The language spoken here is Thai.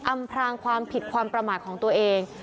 อพรางความผิดความประมาทของตัวเอง